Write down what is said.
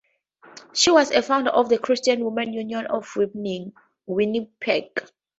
She was a founder of the Christian Woman's Union of Winnipeg.